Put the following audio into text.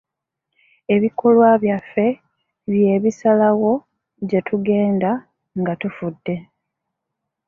Ebikolwa byaffe bye busalawo gye tugenda nga tufudde.